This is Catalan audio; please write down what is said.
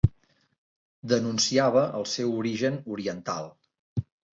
Denunciava el seu origen oriental